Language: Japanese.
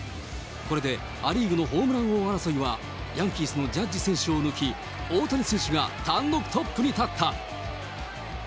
これでア・リーグのホームラン王争いはヤンキースのジャッジ選手を抜き、大谷選手が単独トップに立った。